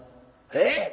えっ？